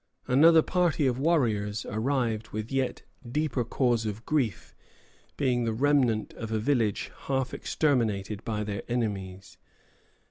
Another party of warriors arrived with yet deeper cause of grief, being the remnant of a village half exterminated by their enemies.